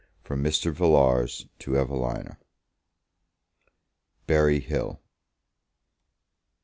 MR. VILLARS TO EVELINA. Berry Hill.